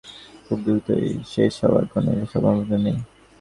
কারণ, মেসির সঙ্গে প্রতিদ্বন্দ্বিতাটা খুব দ্রুতই শেষ হওয়ার কোনোই সম্ভাবনা নেই।